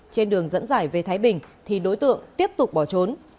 trên đường dẫn giải về thái bình thì đối tượng tiếp tục bỏ trốn